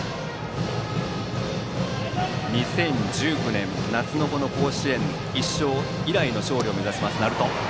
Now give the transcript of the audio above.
２０１５年、夏の甲子園１勝以来の勝利を目指す鳴門。